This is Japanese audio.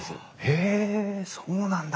へえそうなんだ！